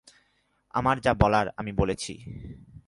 আমার যা বলার আমি বলেছি।